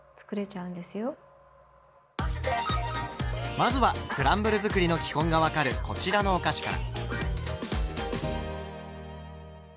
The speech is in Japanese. まずはクランブル作りの基本が分かるこちらのお菓子から。